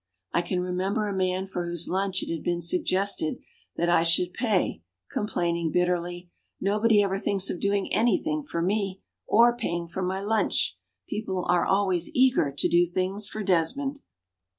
I can remember a man for whose lunch it had been suggested that I should pay, complaining bitterly: "Nobody ever thinks of doing any thing for me, or paying for my lunch. People are always eager to do things for Desmond!"